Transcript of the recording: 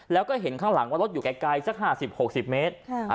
แล้วก็เห็นข้างหลังว่ารถอยู่ไกลไกลสักห้าสิบหกสิบเมตรค่ะ